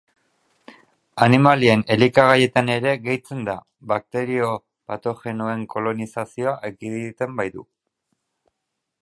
Animalien elikagaietan ere gehitzen da, bakterio patogenoen kolonizazioa ekiditen baitu.